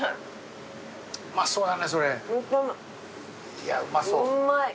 いやうまそう。